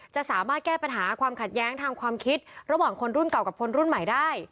จะสามารถแก้ปัญหาความขัดแย้งทางความคิดระหว่างคนรุ่นเก่ากับคนรุ่นใหม่ได้